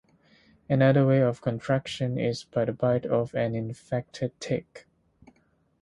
Another way of contraction is by the bite of an infected tick.